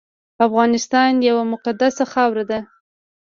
افغانستان یوه مقدسه خاوره ده